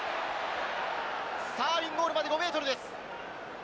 ゴールまで５ｍです。